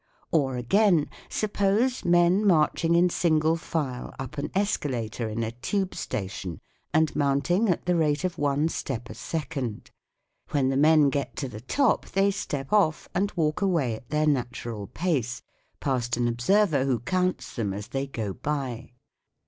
Or again, suppose men marching in single file up an escalator in a tube station, and mounting at the rate of one step a second ; when the men get to the top they step off and walk away at their natural pace, past an observer who counts them as they go by.